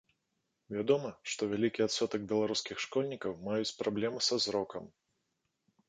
Вядома, што вялікі адсотак беларускіх школьнікаў маюць праблемы са зрокам.